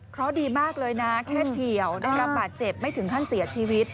เพราะดีมากเลยนะแค่เฉียวได้รับบาดเจ็บไม่ถึงขั้นเสียชีวิต